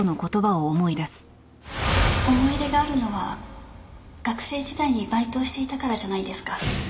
思い入れがあるのは学生時代にバイトをしていたからじゃないですか？